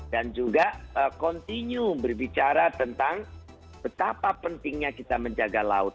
dan juga kontinu berbicara tentang betapa pentingnya kita menjaga laut